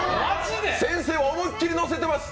先生は思いっきりのせてます。